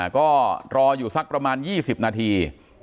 ก็รออยู่สักประมาณ๒๐นาที